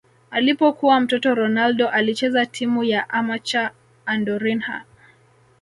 Alipokuwa mtoto Ronaldo alicheza timu ya amateur Andorinha